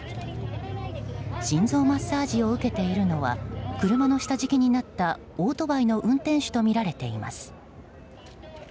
心臓マッサージを受けているのは車の下敷きになったオートバイの運転手とみられています。